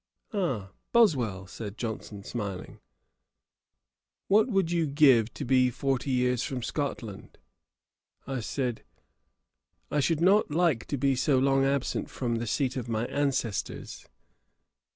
'Ah, Boswell! (said Johnson, smiling,) what would you give to be forty years from Scotland?' I said, 'I should not like to be so long absent from the seat of my ancestors.'